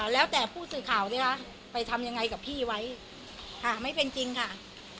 แล้วแต่ผู้สื่อข่าวนะคะไปทำยังไงกับพี่ไว้ค่ะไม่เป็นจริงค่ะ